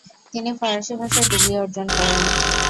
তিনি ফরাসি ভাষায় ডিগ্রি অর্জন করেন।